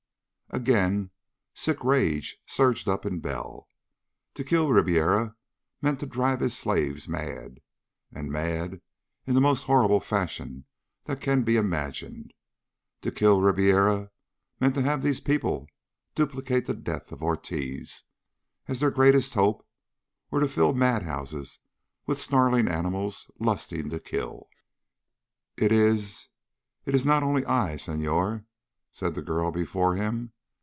Again sick rage surged up in Bell. To kill Ribiera meant to drive his slaves mad, and mad in the most horrible fashion that can be imagined. To kill Ribiera meant to have these people duplicate the death of Ortiz, as their greatest hope, or to fill madhouses with snarling animals lusting to kill.... "It is it is not only I, Senhor," said the girl before him.